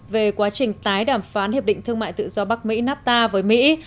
về quá trình tái đàm phán hiệp định thương mại tự do bắc mỹ nafta với mỹ